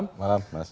mas siva yoga makasih